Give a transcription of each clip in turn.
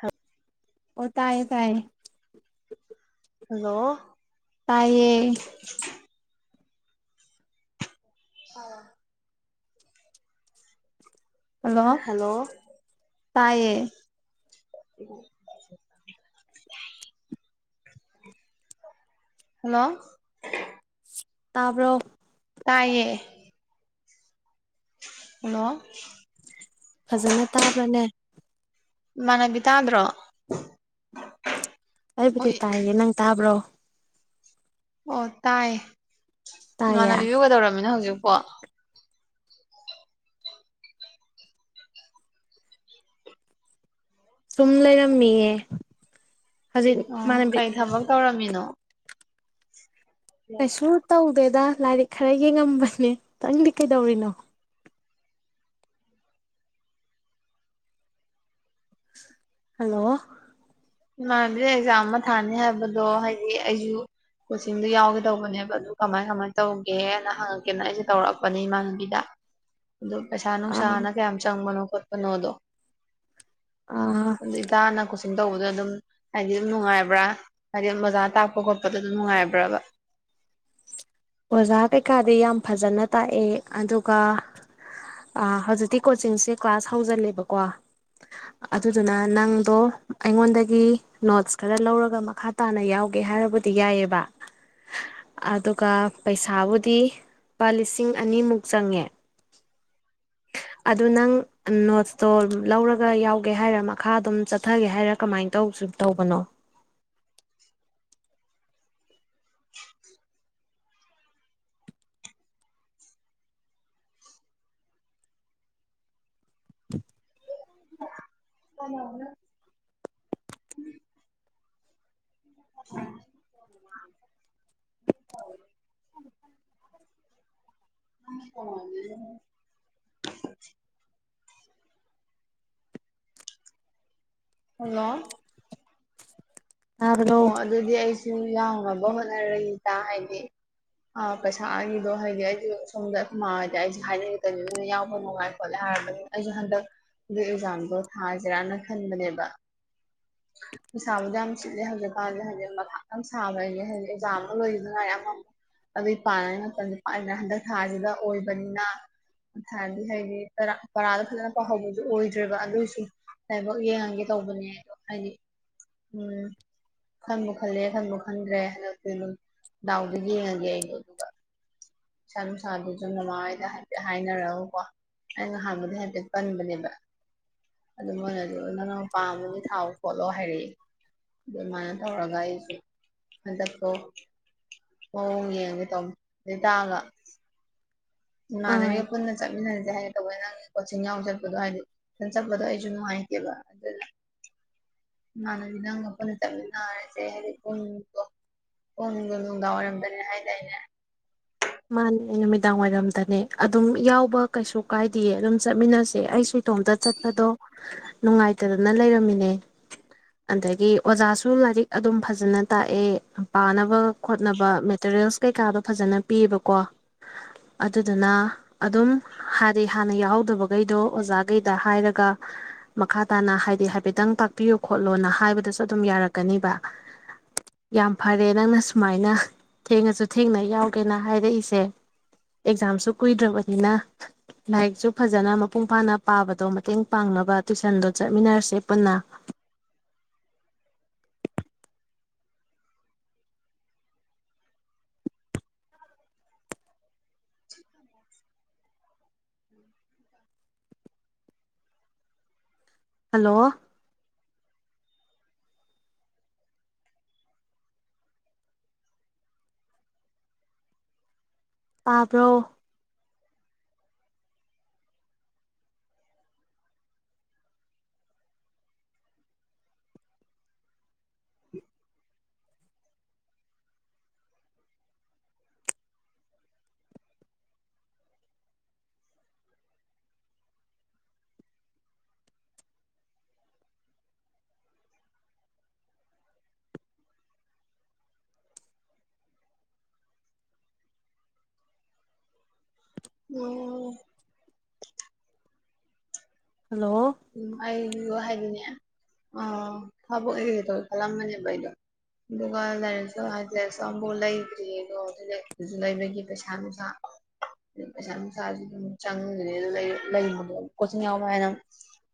ꯍꯥ ꯑꯣ ꯇꯥꯏꯑꯦ ꯇꯥꯏꯑꯦ ꯍꯜꯂꯣ ꯇꯥꯏꯌꯦ ꯑ ꯍꯜꯂꯣ ꯍꯜꯂꯣ ꯇꯥꯏꯌꯦ ꯍꯜꯂꯣ ꯇꯥꯕ꯭ꯔꯣ ꯇꯥꯏꯌꯦ ꯍꯜꯂꯣ ꯐꯖꯅ ꯇꯥꯕ꯭ꯔꯅꯦ ꯏꯃꯥꯅꯕꯤ ꯇꯥꯗ꯭ꯔꯣ ꯑꯩꯕꯨꯗꯤ ꯍꯣꯏ ꯇꯥꯏꯌꯦ ꯅꯪ ꯇꯥꯕ꯭ꯔꯣ ꯑꯣ ꯇꯥꯏ ꯇꯥꯏꯌꯦ ꯏꯃꯥꯅꯕꯤꯕꯨ ꯀꯩꯗꯧꯔꯝꯃꯤꯅꯣ ꯍꯧꯖꯤꯛꯨꯄꯣ ꯋꯥ ꯁꯨꯝ ꯂꯩꯔꯝꯃꯤꯌꯦ ꯍꯧꯖꯤꯛ ꯑꯣ ꯏꯃꯥꯟꯅꯕꯤ ꯀꯩ ꯊꯕꯛ ꯇꯧꯔꯝꯃꯤꯅꯣ ꯀꯩꯁꯨ ꯇꯧ ꯗꯦꯗ ꯂꯥꯏꯔꯤꯛ ꯈꯔ ꯌꯦꯡꯉꯝꯕꯅꯦ ꯅꯪꯗꯤ ꯀꯩꯗꯧꯔꯤꯅꯣ ꯍꯜꯂꯣ ꯏꯃꯥꯟꯅꯕꯤ ꯑꯦꯛꯖꯥꯝ ꯑꯃ ꯊꯥꯅꯤ ꯍꯥꯏꯕꯗꯣ ꯍꯥꯏꯗꯤ ꯑꯩꯖꯨ ꯀꯣꯆꯤꯡꯗꯣ ꯌꯥꯎꯒꯦ ꯇꯧꯕꯅꯦꯕ ꯑꯗꯨ ꯀꯃꯥꯏ ꯀꯃꯥꯏꯅ ꯇꯧꯒꯦꯅ ꯍꯪꯉꯛꯀꯦꯅ ꯑꯩꯖꯦ ꯇꯧꯔꯛꯄꯅꯦ ꯏꯃꯥꯟꯅꯕꯤꯗ ꯑꯗꯨ ꯄꯩꯁꯥ ꯑꯥ ꯅꯨꯡꯁꯥꯅ ꯀꯌꯥꯝ ꯆꯪꯕꯅꯣ ꯈꯣꯠꯄꯅꯣꯗꯣ ꯑꯥ ꯇꯅ ꯈꯨꯁꯤꯟ ꯇꯧꯕ ꯑꯗꯨꯝ ꯍꯥꯏꯗꯤ ꯑꯗꯨꯝ ꯅꯨꯡꯉꯥꯏꯕ꯭ꯔꯥ ꯍꯥꯏꯗꯤ ꯑꯣꯖꯥ ꯇꯥꯛꯄ ꯈꯣꯠꯄꯗ ꯑꯗꯨꯝ ꯅꯨꯡꯉꯥꯏꯕ꯭ꯔꯥꯕ ꯑꯣꯖꯥ ꯀꯩꯀꯥꯗꯤ ꯌꯥꯝ ꯐꯖꯅ ꯇꯥꯛꯑꯦ ꯑꯗꯨꯒ ꯑꯥ ꯍꯧꯖꯤꯛꯇꯤ ꯀꯣꯆꯤꯡꯁꯦ ꯀ꯭ꯂꯥꯁ ꯍꯧꯖꯤꯜꯂꯦꯕꯀꯣ ꯑꯗꯨꯗꯨꯅ ꯅꯪꯗꯣ ꯑꯩꯉꯣꯟꯗꯒꯤ ꯅꯣꯠꯁ ꯈꯔ ꯂꯧꯔꯒ ꯃꯈꯥ ꯇꯥꯅ ꯌꯥꯎꯒꯦ ꯍꯥꯏꯕꯨꯗꯤ ꯌꯥꯏꯌꯦꯕ ꯑꯗꯨꯒ ꯄꯩꯁꯥꯕꯨꯗꯤ ꯂꯨꯄꯥ ꯂꯤꯁꯤꯡ ꯑꯅꯤꯃꯨꯛ ꯆꯪꯉꯦ ꯑꯗꯨ ꯅꯪ ꯅꯣꯠꯁꯇꯣ ꯂꯧꯔꯒ ꯌꯥꯎꯒꯦ ꯍꯥꯏꯔ ꯃꯈꯥ ꯑꯗꯨꯝ ꯆꯠꯊꯒꯦ ꯍꯥꯏꯔ ꯀꯃꯥꯏꯅ ꯇꯧ ꯇꯧꯕꯅꯣ [inaudible] [unintelligible] ꯎꯝ [inaudible] [unintelligible] ꯍꯜꯂꯣ ꯑꯣ ꯇꯥꯕ꯭ꯔꯣ ꯑꯗꯨꯗꯤ ꯑꯩꯁ ꯁꯨ ꯌꯥꯎꯅꯕ ꯍꯣꯠꯅꯔꯩ ꯏꯇ ꯍꯥꯏꯗꯤ ꯑꯥ ꯄꯩꯁꯥꯒꯤꯗꯣ ꯍꯥꯏꯗꯤ ꯑꯩꯖꯨ ꯁꯣꯝꯗ ꯑꯈꯣꯢ ꯃꯥ ꯍꯣꯏꯗ ꯑꯩꯁꯨ ꯍꯥꯏꯅꯤꯡꯑꯛꯀꯅꯤ ꯑꯗꯨꯅ ꯌꯥꯎꯕ ꯅꯨꯡꯉꯥꯏ ꯈꯣꯠꯂꯦ ꯍꯥꯏꯔꯕꯅꯤꯅ ꯑꯩꯁꯨ ꯍꯟꯗꯛ ꯑꯗꯨ ꯑꯦꯛꯖꯥꯝꯗꯣ ꯊꯥꯖꯤꯔꯅ ꯈꯟꯕꯅꯦꯕ ꯄꯩꯁꯥꯕꯨꯗꯤ ꯌꯥꯝ ꯆꯤꯠꯂꯦ ꯍꯧꯖꯤꯛꯀꯥꯟꯗ ꯍꯥꯏꯗꯤ ꯃꯥꯊꯥ ꯌꯥꯝ ꯁꯥꯕ ꯑꯩꯖꯦ ꯍꯥꯏꯗꯤ ꯑꯦꯛꯖꯥꯝ ꯑꯃ ꯂꯣꯏꯒꯤꯗ ꯉꯥꯏꯔꯤ ꯑꯃ ꯑꯃꯨꯛ ꯑꯗꯨꯒꯤ ꯄꯥꯅꯤꯉꯥꯏ ꯃꯇꯝꯖꯦ ꯄꯅ ꯍꯟꯗꯛ ꯊꯥꯖꯤꯗ ꯑꯣꯏꯕꯅꯤꯅ ꯊꯥꯗꯤ ꯍꯥꯏꯗꯤ ꯄꯔꯥꯗ ꯐꯖꯅ ꯄꯥꯎꯍꯧꯕꯖꯨ ꯑꯣꯏꯗ꯭ꯔꯦꯕ ꯑꯗꯨꯏꯖꯨ ꯂꯥꯏꯕꯛ ꯌꯦꯡꯉꯒꯦ ꯇꯧꯕꯅꯦ ꯑꯗꯣ ꯍꯥꯏꯗꯤ ꯎꯝ ꯈꯟꯕꯨ ꯈꯜꯂꯦ ꯈꯟꯕꯨ ꯈꯟꯈ꯭ꯔꯦ ꯍꯟꯗꯛꯇꯤ ꯑꯗꯨꯝ ꯗꯥꯎꯗ ꯌꯦꯡꯉꯒꯦ ꯑꯩꯗꯣ ꯑꯗꯨꯒ ꯄꯩꯁꯥ ꯅꯨꯡꯁꯥꯗꯨꯁꯨ ꯃꯃꯥ ꯍꯣꯏꯗ ꯍꯥꯏꯐꯦꯠ ꯍꯥꯏꯅꯔꯒꯀꯣ ꯑꯩꯅꯍꯥꯟꯕꯗꯤ ꯍꯥꯏꯐꯦꯠ ꯄꯟꯕꯅꯦꯕ ꯑꯗꯨ ꯃꯣꯏꯅ ꯑꯗꯨ ꯅꯪꯅꯪ ꯄꯥꯝꯝꯕꯒꯤ ꯊꯥꯎꯑꯣ ꯈꯣꯠꯂꯣ ꯍꯥꯏꯔꯛꯏ ꯑꯗꯨꯃꯥꯏꯅ ꯇꯧꯔꯒ ꯑꯩꯖꯦ ꯍꯟꯗꯛꯇꯣ ꯃꯑꯣꯡ ꯌꯦꯡꯉꯒꯦ ꯇꯝꯅꯦ ꯇꯥꯕꯥ ꯢꯃꯥꯅꯕꯤ ꯑꯥ ꯄꯨꯟꯅ ꯆꯠꯃꯤꯟꯅꯖꯦ ꯍꯌꯦ ꯇꯧꯕ ꯅꯪ ꯀꯣꯆꯤꯡ ꯌꯥꯎ ꯆꯠꯄꯗꯣ ꯍꯥꯏꯗꯤ ꯆꯠꯄꯗꯣ ꯑꯩꯁꯨ ꯅꯨꯡꯉꯥꯏꯇꯦꯕ ꯑꯗꯨꯅ ꯏꯃꯅꯥꯗꯤ ꯅꯪꯒ ꯄꯨꯟꯅ ꯆꯠꯃꯤꯟꯅꯔꯖꯦ ꯍꯥꯏꯗꯤ ꯄꯨꯡꯗꯣ ꯄꯨꯡꯗꯣ ꯅꯨꯡꯗꯥꯡ ꯋꯥꯏꯔꯝꯗꯅꯦ ꯍꯥꯏꯗꯥꯏꯅꯦ ꯃꯥꯅꯦ ꯅꯨꯃꯤꯗꯥꯡ ꯋꯥꯏꯔꯝꯗꯅꯦ ꯑꯗꯨꯝ ꯌꯥꯎꯕ ꯀꯩꯁꯨ ꯀꯥꯏꯗꯤꯌꯦ ꯑꯗꯨꯝ ꯆꯠꯃꯤꯟꯅꯁꯦ ꯑꯩꯁꯨ ꯏꯇꯣꯝꯇ ꯆꯠꯄꯗꯣ ꯅꯨꯡꯉꯥꯏꯇꯗꯅ ꯂꯩꯔꯝꯃꯤꯅꯦ ꯑꯗꯒꯤ ꯑꯣꯖꯥꯁꯨ ꯂꯥꯏꯔꯤꯛ ꯑꯗꯨꯝ ꯐꯖꯅ ꯇꯥꯛꯑꯦ ꯄꯥꯅꯕ ꯈꯣꯠꯅꯕ ꯃꯦꯇꯔꯤꯌꯦꯜꯁ ꯀꯩꯀꯥꯗꯣ ꯐꯖꯅ ꯄꯤꯕꯀꯣ ꯑꯗꯨꯗꯨꯅ ꯑꯗꯨꯝ ꯍꯥꯏꯗꯤ ꯍꯥꯟꯅ ꯌꯥꯎꯍꯧꯗꯕꯒꯩꯗꯣ ꯑꯣꯖꯥꯈꯩꯗ ꯍꯥꯏꯔꯒ ꯃꯈꯥ ꯇꯥꯅ ꯍꯥꯏꯗꯤ ꯍꯥꯏꯐꯦꯠꯇꯪ ꯇꯥꯛꯄꯤꯌꯨ ꯈꯣꯠꯂꯣꯅ ꯍꯥꯏꯕꯗꯁꯨ ꯑꯗꯨꯝ ꯌꯥꯔꯛꯀꯅꯤꯕ ꯌꯥꯝ ꯐꯔꯦ ꯅꯪꯅ ꯁꯨꯃꯥꯏꯅ ꯊꯦꯡꯉꯁꯨ ꯊꯦꯡꯅ ꯌꯥꯎ ꯀꯅ ꯍꯥꯏꯔꯛꯏꯁꯦ ꯑꯦꯛꯖꯥꯝꯁꯨ ꯀꯨꯏꯗ꯭ꯔꯕꯅꯤꯅ ꯂꯥꯏꯔꯤꯛꯁꯨ ꯐꯖꯅ ꯃꯄꯨꯡ ꯐꯥꯅ ꯄꯥꯕꯗꯣ ꯃꯇꯦꯡ ꯄꯥꯡꯅꯕ ꯇꯨꯋꯏꯁꯟꯗꯣ ꯆꯠꯃꯤꯟꯅꯔꯁꯦ ꯄꯨꯟꯅ [inaudible] ꯍꯜꯂꯣ ꯇꯥꯕ꯭ꯔꯣ ꯑꯣ ꯍꯜꯂꯣ ꯎꯝ ꯑꯩ ꯋꯥꯍꯩ ꯑꯗꯨꯅꯦ ꯑ ꯊꯕꯛ ꯑꯦꯒꯦ ꯇꯧ ꯈꯜꯂꯝꯕꯅꯦꯕ ꯑꯩꯗꯣ ꯑꯗꯨꯒ ꯂꯥꯏꯔꯤꯛꯁꯨ ꯍꯥꯏꯗꯤ ꯂꯥꯏꯔꯤꯁꯨ ꯑꯃꯐꯥꯎ ꯂꯩꯇ꯭ꯔꯤ ꯑꯗꯣ ꯂꯥꯏꯔꯤꯁꯨ ꯂꯩꯕꯒꯤ ꯄꯩꯁꯥ ꯅꯨꯡꯁꯥ ꯄꯩꯁꯥ ꯅꯨꯡꯁꯥꯁꯨ ꯑꯗꯨꯝ ꯆꯪꯗ꯭ꯔꯦ ꯑꯗꯨ ꯂꯩꯕꯗꯣ ꯀꯣꯆꯤꯡ ꯌꯥꯎꯕ ꯍꯥꯏꯅ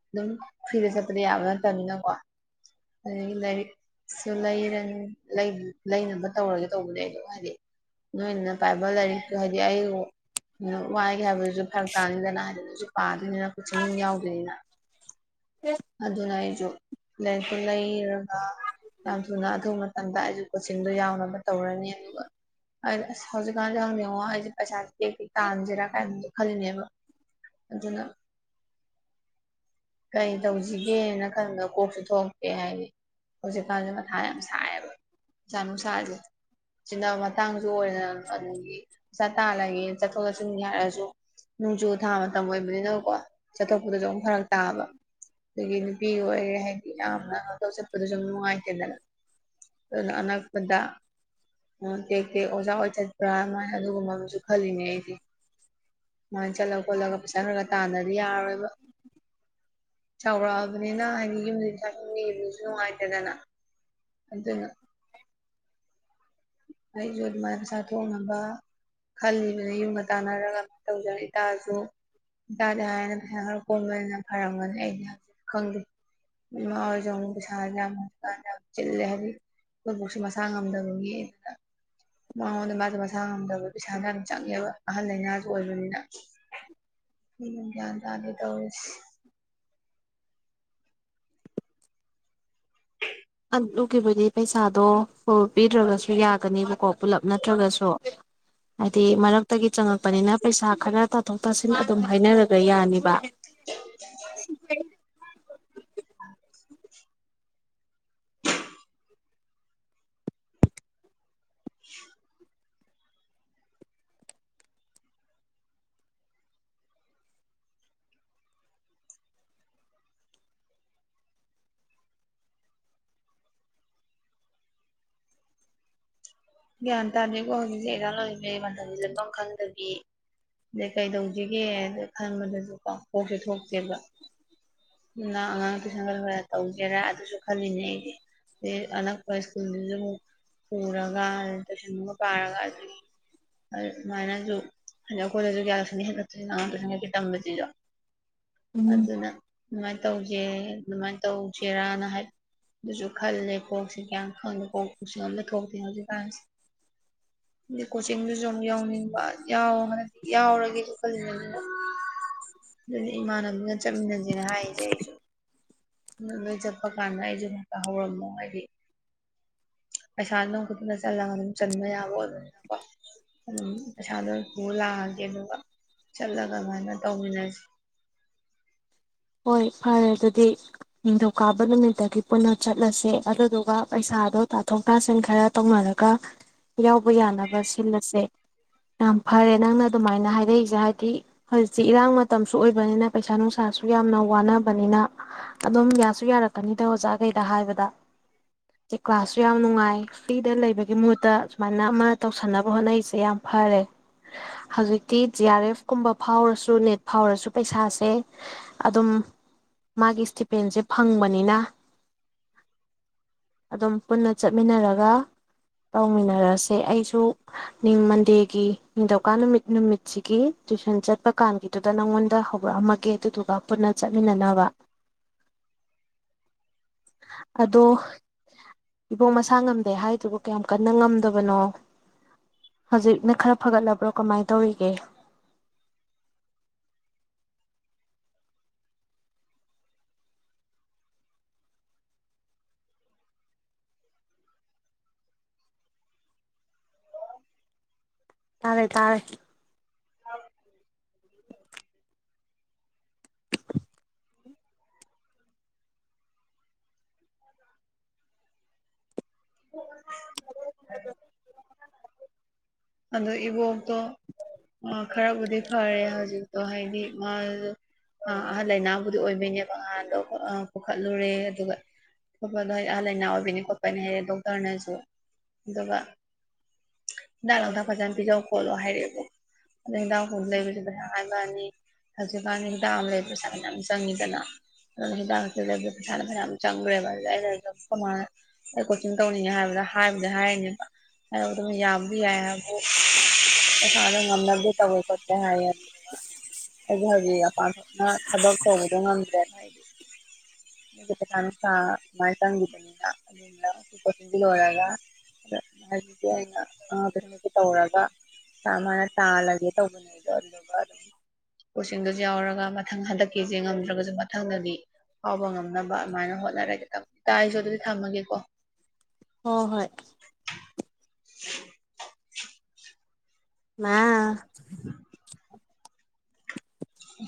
ꯑꯗꯨꯝ ꯐ꯭ꯔꯤꯗ ꯆꯠꯄꯗꯤ ꯌꯥꯕꯥ ꯅꯠꯇꯕꯅꯤꯅꯀꯣ ꯑꯗꯒꯤ ꯂꯥꯏꯔꯤꯛꯁꯨ ꯂꯩ ꯂꯩꯅꯕ ꯇꯧꯔꯒꯦ ꯇꯧꯕꯅꯦ ꯑꯗꯣ ꯍꯥꯏꯗꯤ ꯅꯣꯏ ꯄꯥꯏꯕ ꯂꯔꯤꯛ ꯍꯥꯏꯗꯤ [unintelligible] ꯋꯥꯏꯒꯦ ꯍꯥꯏꯕꯗꯨꯁꯨ ꯐꯔꯛ ꯇꯥꯅꯤꯗꯅ ꯍꯥꯏꯗꯅꯁꯨ ꯑꯥ ꯑꯗꯨꯅ ꯀꯁꯤꯡ ꯑꯃꯨꯛ ꯌꯥꯎꯗꯣꯏꯅꯤꯅ ꯑꯗꯨ ꯅ ꯑꯩꯖꯨ ꯂꯥꯏꯔꯤꯛꯇꯨ ꯂꯩꯔꯒ ꯌꯥꯝ ꯊꯨꯅ ꯑꯊꯨꯕ ꯃꯇꯝꯗ ꯑꯩꯁꯨ ꯀꯣꯆꯤꯡꯗꯣ ꯌꯥꯎꯅꯕ ꯇꯧꯔꯅꯤ ꯑꯗꯨꯒ ꯑꯁ ꯍꯧꯖꯤꯛꯀꯥꯟꯗ ꯌꯥꯝ ꯌꯦꯡꯉꯣ ꯑꯩꯁꯦ ꯄꯩꯁꯥ ꯇꯥꯟꯖꯤꯔꯥ ꯀꯥꯏꯅ ꯈꯜꯂꯦꯕ ꯑꯗꯨꯅ ꯀꯩ ꯀꯩꯁꯤꯒꯦꯅ ꯈꯟꯕꯗ ꯀꯣꯛꯁꯨ ꯊꯣꯛꯂꯇꯦ ꯍꯥꯏꯗꯤ ꯍꯧꯖꯤꯛꯀꯥꯟꯁꯦ ꯃꯊꯥ ꯌꯥꯝ ꯁꯥꯏꯌꯦꯕ ꯏꯁꯥ ꯅꯨꯡꯁꯥꯁꯦ ꯁꯤꯖꯤꯟꯅꯕ ꯃꯇꯥꯡꯁꯨ ꯑꯣꯏꯗ ꯑꯗꯒꯤ ꯄꯩꯁꯥ ꯇꯥꯜꯂꯒꯦ ꯆꯠꯊꯣꯛ ꯆꯠꯁꯤꯟꯒꯦ ꯍꯥꯏꯔꯁꯨ ꯅꯣꯡꯖꯨ ꯊꯥ ꯃꯇꯝ ꯑꯣꯏꯕꯅꯤꯅꯀꯣ ꯆꯠꯊꯣꯛꯄꯗꯁꯨ ꯑꯃꯨꯛ ꯐꯔꯛ ꯇꯥꯕ ꯑꯗꯒꯤ ꯅꯨꯄꯤ ꯑꯣꯏꯈꯔꯦ ꯍꯥꯏꯗꯤ ꯌꯥꯝꯅ ꯀꯩꯅꯣ ꯇꯧ ꯆꯠꯄꯗ ꯁꯨꯝ ꯅꯨꯡꯉꯥꯏꯇꯦꯗꯅ ꯑꯗꯨꯅ ꯑꯅꯛꯄꯗ ꯇꯦꯛ ꯇꯦꯛ ꯑꯣꯖꯥ ꯑꯣꯏ ꯆꯠꯄ꯭ꯔꯥ ꯑꯗꯨꯃꯥꯏꯅ ꯑꯗꯨꯒꯨꯝꯕ ꯑꯃꯁꯨ ꯈꯜꯂꯤꯅꯦ ꯑꯩꯗꯤ ꯑꯗꯨꯃꯥꯏꯅ ꯆꯠꯂ ꯈꯣꯠꯂꯒ ꯄꯩꯁꯥ ꯈꯔꯒ ꯇꯥꯟꯗ꯭ꯔꯗꯤ ꯌꯥꯔꯔꯣꯏꯕ ꯆꯥꯎꯔꯛꯑꯕꯅꯤꯅ ꯍꯥꯏꯗꯤ ꯌꯨꯝꯗ ꯄꯩꯁꯥ ꯅꯤꯕꯁꯤꯁꯨ ꯅꯨꯡꯉꯥꯏꯇꯗꯅ ꯑꯗꯨꯅ ꯑꯩꯁꯨ ꯑꯗꯨꯃꯥꯏꯅ ꯄꯩꯁꯥ ꯊꯣꯛꯅꯕ ꯈꯜꯂꯤꯕꯅ ꯌꯨꯝꯒ ꯇꯥꯟꯅꯔꯒ ꯇꯧꯖꯔꯦ ꯏꯇꯥꯁꯨ ꯏꯇꯥꯗ ꯍꯥꯏꯔꯅ ꯄꯩꯁꯥ ꯈꯔ ꯀꯣꯝꯕꯅꯤꯅ ꯐꯔꯝꯒꯅꯤ ꯑꯩꯗꯤ ꯍꯧꯖꯤ ꯈꯪꯗꯦ ꯏꯃꯥ ꯑꯣꯏꯔꯁꯨ ꯑꯃꯨ ꯄꯩꯁꯥ ꯌꯥꯝꯀꯥꯟꯗ ꯌꯥꯝ ꯆꯤꯜꯂꯦ ꯍꯥꯏꯕꯗꯤ ꯑꯩꯨꯠꯐꯥꯎꯁꯨ ꯃꯁꯥ ꯉꯝꯗꯕꯒꯤ ꯃꯉꯣꯟꯗ ꯃꯥꯁꯨ ꯃꯁꯥ ꯉꯝꯗꯕ ꯄꯩꯁꯥꯅ ꯑꯗꯨꯝ ꯆꯪꯉꯦꯕ ꯑꯍꯜ ꯂꯩꯥꯏꯅꯥꯁꯨ ꯑꯣꯏꯕꯅꯤꯅ ꯎ ꯒ꯭ꯌꯥꯟ ꯇꯥꯗꯦ ꯇꯧꯔꯤꯁꯦ ꯂꯨꯈꯤꯕꯗꯤ ꯄꯩꯁꯥꯗꯣ ꯐꯨꯜ ꯄꯤꯗ꯭ꯔꯒꯁꯨ ꯌꯥꯒꯅꯦꯕꯀꯣ ꯄꯨꯂꯞ ꯅꯠꯇ꯭ꯔꯒꯁꯨ ꯍꯥꯏꯗꯤ ꯃꯔꯛꯇꯒꯤ ꯆꯪꯉꯛꯄꯅꯤꯅ ꯄꯩꯁꯥ ꯈꯔ ꯇꯥꯊꯣꯛ ꯇꯥꯁꯤꯟ ꯑꯗꯨꯝ ꯍꯥꯏꯅꯔꯒ ꯌꯥꯅꯤꯕ ꯁꯤꯔꯦ [inaudible] ꯒ꯭ꯌꯥꯟ ꯇꯥꯗꯦꯀꯣ ꯍꯧꯖꯤꯛꯁꯦ ꯑꯦꯛꯖꯥꯥꯡ ꯂꯕꯩ ꯃꯇꯝꯒꯤ ꯂꯠꯐꯝ ꯈꯪꯗꯕꯤ ꯑꯗꯩ ꯀꯩꯗꯧꯁꯤꯒꯦ ꯑꯗ ꯈꯟꯕꯗꯁꯨ ꯀꯣ ꯀꯣꯛꯁꯨꯦ ꯊꯣꯛꯇꯦꯕ ꯑꯗꯨꯅ ꯑꯉꯥꯡ ꯇꯨꯏꯁꯟꯒ ꯈꯔ ꯇꯧꯒꯦꯔꯥ ꯑꯗꯨꯁꯨ ꯈꯜꯂꯤꯅꯦ ꯑꯩꯗꯤ ꯑꯩ ꯑꯅꯛꯄ ꯁ꯭ꯀꯨꯜꯗꯨꯁꯨ ꯑꯃꯨꯛ ꯄꯨꯔꯥ ꯇꯨꯏꯁꯟꯒ ꯄꯥꯔꯒ ꯑꯗꯨꯗꯒꯤ ꯑꯗꯨꯃꯥꯏꯅꯁꯨ ꯍꯥꯏ ꯑꯩꯈꯣꯏꯗꯁꯨ ꯀꯌꯥ ꯂꯁ ꯍꯂꯛꯇꯣꯏ ꯑꯥꯡ ꯇꯨꯏꯁꯟ ꯀꯩꯀꯩ ꯇꯝꯝꯕꯁꯤꯁꯨ ꯎꯝ ꯑꯗꯨꯅ ꯑꯗꯨꯃꯥꯏꯅ ꯇꯧꯁꯦ ꯑꯗꯨꯃꯥꯏꯅ ꯇꯧꯁꯤꯦꯔꯅ ꯍꯥꯏꯕ ꯑꯗꯨꯁꯨ ꯈꯜꯂꯦ ꯀꯣꯛꯁꯦ ꯀꯌꯥꯝ ꯈꯪꯗꯦ ꯀꯣꯛ ꯂꯧꯁꯤꯡ ꯑꯝꯇ ꯊꯣꯛꯇꯦ ꯍꯧꯖꯤꯛ ꯗꯤ ꯀꯣꯆꯤꯡꯗꯨꯁꯨ ꯑꯃꯨꯛ ꯌꯥꯎꯅꯤꯡꯕ ꯌꯥꯎ ꯍꯥꯏꯗꯤ ꯌꯥꯎꯔꯒꯦꯁꯨ ꯈꯜꯂꯤꯅꯤꯅ ꯑꯗꯨꯅ ꯑꯗꯨꯗꯤ ꯏꯃꯥꯟꯅꯕꯤꯒ ꯆꯠꯃꯤꯟꯅꯁꯦꯅ ꯍꯥꯏꯔꯤꯁꯦ ꯑꯩꯁꯨ ꯑꯗꯨ ꯂꯣꯏ ꯆꯠꯄ ꯀꯥꯟꯗ ꯑꯩꯁꯨ ꯉꯥꯛꯇ ꯍꯧꯔꯝꯃꯣ ꯍꯥꯏꯗꯤ ꯄꯩꯁꯥ ꯑꯗꯨꯈꯛꯇꯅ ꯆꯠꯂꯒ ꯑꯗꯨꯝ ꯆꯟꯕ ꯌꯥꯕꯥ ꯑꯣꯏꯕꯅꯤꯅꯀꯣ ꯑꯗꯨꯝ ꯄꯩꯁꯥꯗꯣ ꯄꯨꯔ ꯂꯥꯛꯑꯒꯦ ꯑꯗꯨꯒ ꯆꯠꯂꯒ ꯑꯗꯨꯃꯥꯏꯅ ꯇꯧꯃꯤꯟꯅꯁꯤ ꯍꯣꯏ ꯐꯔꯦ ꯑꯗꯨꯗꯤ ꯅꯤꯡꯊꯧꯀꯥꯕ ꯅꯨꯃꯤꯠꯇꯒꯤ ꯄꯨꯟꯅ ꯆꯠꯂꯁꯦ ꯑꯗꯨꯗꯨꯒ ꯄꯩꯁꯥꯗꯣ ꯇꯥꯊꯣꯛ ꯇꯥꯁꯤꯟ ꯈꯔ ꯇꯧꯅꯔꯒ ꯌꯥꯎꯕ ꯌꯥꯅꯕ ꯁꯤꯜꯂꯁꯦ ꯌꯥꯝ ꯐꯔꯦ ꯅꯪꯅ ꯑꯗꯨꯃꯥꯏꯅ ꯍꯥꯏꯔꯛꯏꯁꯦ ꯍꯥꯏꯗꯤ ꯍꯧꯖꯤꯛꯇꯤ ꯏꯔꯥꯡ ꯃꯇꯝꯁꯨ ꯑꯣꯏꯕꯅꯤꯅ ꯄꯩꯁꯥ ꯅꯨꯡꯁꯥꯁꯨ ꯌꯥꯝꯅ ꯋꯥꯅꯕꯅꯤꯅ ꯑꯗꯨꯝ ꯌꯥꯁꯨ ꯌꯥꯔꯛꯀꯅꯤꯗ ꯑꯣꯖꯥꯈꯩꯗ ꯍꯥꯏꯕꯗ ꯁꯤ ꯀ꯭ꯂꯥꯁꯁꯨ ꯌꯥꯝ ꯅꯨꯡꯉꯥꯏ ꯐ꯭ꯔꯤꯗ ꯂꯩꯕꯒꯤ ꯃꯨꯠꯇ ꯁꯨꯃꯥꯏꯅ ꯑꯃ ꯇꯧꯁꯟꯅꯕ ꯍꯣꯠꯅꯔꯤꯁꯦ ꯌꯥꯝ ꯐꯔꯦ ꯍꯧꯖꯤꯛꯇꯤ ꯖꯤ ꯑꯥꯔ ꯑꯦꯐ ꯀꯨꯝꯕ ꯐꯥꯎꯔꯁꯨ ꯅꯦꯠ ꯐꯥꯎꯔꯁꯨ ꯄꯩꯁꯥꯁꯦ ꯑꯗꯨꯝ ꯃꯥꯒꯤ ꯏꯁꯇꯤꯄꯦꯟꯁꯦ ꯐꯪꯕꯅꯤꯅ ꯑꯗꯨꯝ ꯄꯨꯟꯅ ꯆꯠꯃꯤꯟꯅꯔꯒ ꯇꯧꯃꯤꯟꯅꯔꯁꯦ ꯑꯩꯁꯨ ꯃꯤ ꯃꯟꯗꯦꯒꯤ ꯅꯤꯡꯊꯧꯀꯥ ꯅꯨꯃꯤꯠ ꯅꯨꯃꯤꯠꯁꯤꯒꯤ ꯇꯨꯏꯁꯟ ꯆꯠꯄ ꯀꯥꯟꯒꯤꯗꯨꯗ ꯅꯪꯉꯣꯟꯗ ꯍꯧꯔꯛꯑꯝꯃꯒꯦ ꯑꯗꯨꯗꯨꯒ ꯄꯨꯟꯅ ꯆꯠꯃꯤꯟꯅꯅꯕ ꯑꯗꯣ ꯏꯕꯣꯛ ꯃꯁꯥ ꯉꯝꯗꯦ ꯍꯥꯏꯗꯨꯕꯨ ꯀꯌꯥꯝ ꯀꯟꯅ ꯉꯝꯗꯕꯅꯣ ꯍꯧꯖꯤꯛꯅ ꯈꯔ ꯐꯒꯠꯂꯕ꯭ꯔꯣ ꯀꯃꯥꯏꯅ ꯇꯧꯔꯤꯒꯦ ꯇꯥꯔꯦ ꯇꯥꯔꯦ ꯑ [inaudible] ꯑꯗꯨ ꯏꯕꯣꯛꯇꯣ ꯈꯔꯕꯨꯗꯤ ꯐꯔꯦ ꯍꯧꯖꯤꯛꯇꯣ ꯍꯥꯏꯗꯤ ꯃꯥ ꯑꯍꯜ ꯂꯥꯏꯅꯥꯕꯨꯗꯤ ꯑꯣꯏꯕꯩꯅꯦꯕ ꯉꯍꯥꯟꯗꯣ ꯄꯨꯈꯠꯂꯨꯔꯦ ꯑꯗꯨꯒ ꯈꯣꯠꯄꯗꯣꯗꯤ ꯑꯍꯜ ꯂꯥꯏꯅꯥ ꯑꯣꯏꯕꯅꯤ ꯈꯣꯠꯄꯅꯤ ꯍꯥꯏꯔꯛꯦ ꯗꯣꯛꯇꯔꯅꯁꯨ ꯑꯗꯨꯒ ꯍꯤꯗꯥꯛ ꯂꯥꯡꯊꯛ ꯐꯖꯅ ꯄꯤꯖꯧ ꯈꯣꯠꯂꯣ ꯍꯥꯏꯔꯛꯑꯦꯕ ꯑꯗꯣ ꯍꯤꯗꯥꯛꯕ ꯂꯩꯕꯁꯨ ꯄꯩꯁꯥ ꯍꯥꯏꯕꯅꯤ ꯍꯧꯖꯤꯛꯀꯥꯟ ꯍꯤꯗꯥꯛ ꯑꯃ ꯂꯩꯕ ꯄꯩꯁꯥ ꯐꯅꯌꯥꯝ ꯆꯪꯉꯤꯗꯅ ꯑꯗꯨꯅ ꯍꯤꯗꯥꯛ ꯂꯥꯡꯊ ꯂꯩꯕꯗ ꯄꯩꯁꯥꯗꯣ ꯐꯅꯌꯥꯝ ꯆꯪꯈ꯭ꯔꯦꯕ ꯑꯗꯨ ꯑꯩꯩꯅꯝꯃꯅ ꯑꯩ ꯀꯣꯆꯤꯡ ꯇꯧꯅꯤꯡꯉꯦ ꯍꯥꯏꯕꯗ ꯍꯥꯏꯕꯗꯤ ꯍꯥꯏꯔꯤꯅꯦꯕ ꯍꯥꯏ ꯑꯗꯨꯝ ꯌꯥꯕꯗꯤ ꯌꯥꯏ ꯍꯥꯏꯕ ꯑ [inaudible] ꯑ ꯉꯝꯅꯗꯤ ꯇꯧꯕꯩ ꯈꯣꯠꯇꯦ ꯍꯥꯏ ꯑꯗꯨ ꯑꯩꯒꯤ ꯍꯧꯖꯤꯛ ꯑꯄꯥꯟ ꯊꯣꯛꯅ ꯊꯕꯛ ꯇꯧꯕꯗ ꯉꯝꯗ꯭ꯔꯦꯅ ꯍꯥꯏꯗꯤ ꯄꯁꯥ ꯅꯨꯡꯁꯥ ꯁꯃꯥꯏꯅ ꯆꯪꯈꯤꯕꯅꯤꯅ ꯑꯗꯨꯅ ꯀꯣꯆꯤꯡꯗꯨ ꯂꯣꯏꯔꯒ ꯑꯗ ꯑꯗꯨꯃꯥꯏꯗꯤ ꯑꯩꯅ ꯑꯉꯥ ꯈꯨꯗꯤꯡꯃꯛꯇ ꯇꯧꯔꯒ ꯁꯃꯥꯏꯅ ꯇꯥꯜꯂꯒꯦ ꯇꯧꯕꯅꯤꯗꯣ ꯑꯗꯨꯗꯨꯒ ꯑꯗꯨꯝ ꯀꯣꯆꯤꯡꯗꯨꯁꯨ ꯌꯥꯎꯔꯒ ꯃꯊꯪ ꯍꯟꯗꯛꯀꯤꯁꯦ ꯉꯝꯗ꯭ꯔꯒꯁꯨ ꯃꯊꯪꯗꯗꯤ ꯐꯥꯎꯕ ꯉꯝꯅꯕ ꯑꯗꯨꯃꯥꯏꯅ ꯍꯣꯠꯅꯔꯒꯦ ꯇꯧ ꯇꯥ ꯑꯩꯁꯨ ꯑꯗꯨꯗꯤ ꯊꯝꯕꯃꯒꯦꯀꯣ ꯍꯣ ꯍꯣꯏ [inaudible] ꯃꯥ [inaudible] ꯎ